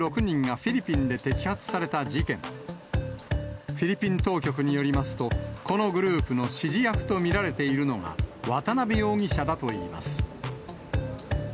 フィリピン当局によりますと、このグループの指示役と見られているのが、渡辺容疑者だといいます。